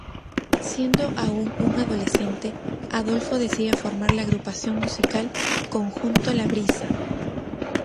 Siendo aún un adolescente, Adolfo decide formar la agrupación musical Conjunto La Brisa.